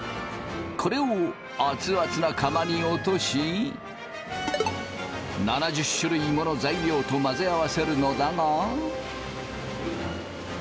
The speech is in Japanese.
これを熱々な釜に落とし７０種類もの材料と混ぜ合わせるのだが。